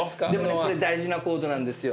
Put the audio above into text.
これ大事なコードなんですよ